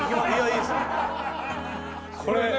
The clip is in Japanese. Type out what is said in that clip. これね